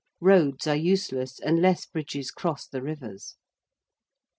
Roads are useless unless bridges cross the rivers.